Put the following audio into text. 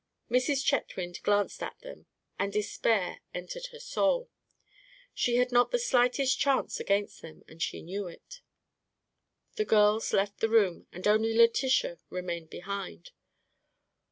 Mrs. Chetwynd glanced at them, and despair entered her soul. She had not the slightest chance against them; and she knew it. The girls left the room, and only Letitia remained behind.